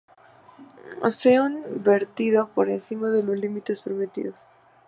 se un vertido por encima de los límites permitidos